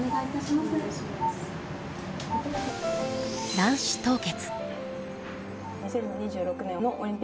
卵子凍結。